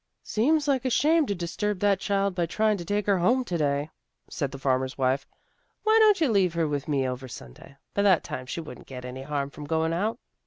" Seems like a shame to disturb that child by trying to take her home to day," said the farmer's wife. " Why don't you leave her with me over Sunday? By that time she wouldn't get any harm from going out."